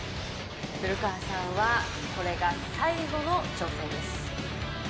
古川さんはこれが最後の挑戦です。